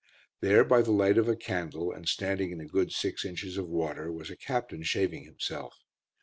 There by the light of a candle, and standing in a good six inches of water, was a captain shaving himself.